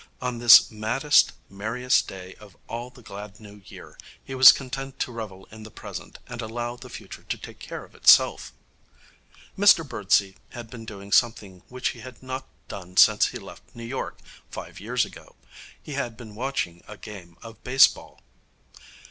On this maddest, merriest day of all the glad New Year he was content to revel in the present and allow the future to take care of itself. Mr Birdsey had been doing something which he had not done since he left New York five years ago. He had been watching a game of baseball.